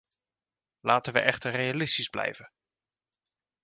Laten we echter realistisch blijven.